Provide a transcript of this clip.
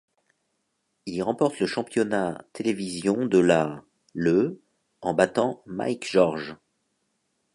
Il y remporte le championnat Télévision de la le en battant Mike George.